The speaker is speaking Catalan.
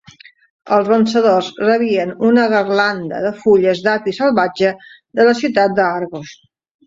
Els vencedors rebien una garlanda de fulles d'api salvatge de la ciutat d'Argos.